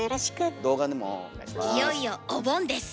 いよいよお盆です。